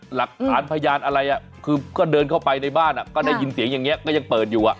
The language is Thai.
หลักฐานพยานอะไรคือก็เดินเข้าไปในบ้านก็ได้ยินเสียงอย่างนี้ก็ยังเปิดอยู่